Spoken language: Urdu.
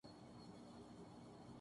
ہم کب ملیں گے؟